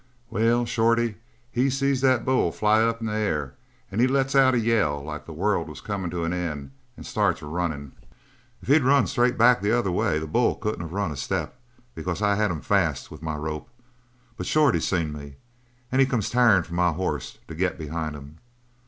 "Well, Shorty, he seen that bull fly up into the air and he lets out a yell like the world was comin' to an end, and starts runnin'. If he'd run straight back the other way the bull couldn't of run a step, because I had him fast with my rope, but Shorty seen me, and he come tarin' for my hoss to get behind him.